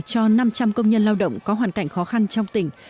cho năm trăm linh công nhân lao động có hoàn cảnh khó khăn trong tỉnh